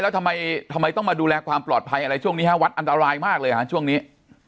แล้วทำไมทำไมต้องมาดูแลความปลอดภัยอะไรช่วงนี้ฮะวัดอันตรายมากเลยฮะช่วงนี้